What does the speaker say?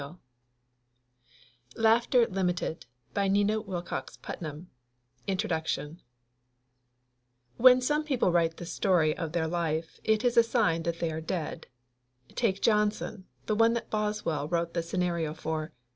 2137796 LAUGHTER LIMITED LAUGHTER LIMITED INTRODUCTION 'IT THEN some people write the story of their life it is a sign that they are dead. Take Johnson, the one that Boswell wrote the scenario for.